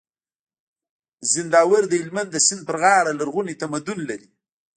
زينداور د هلمند د سيند پر غاړه لرغونی تمدن لري